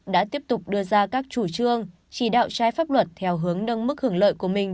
đã tiếp tục đưa ra các chủ trương chỉ đạo trái pháp luật theo hướng nâng mức hưởng lợi của mình